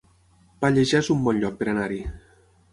Pallejà es un bon lloc per anar-hi